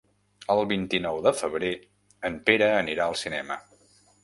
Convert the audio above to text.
El vint-i-nou de febrer en Pere anirà al cinema.